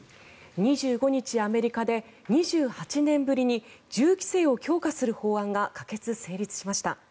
２５日、アメリカで２８年ぶりに銃規制を強化する法案が可決・成立しました。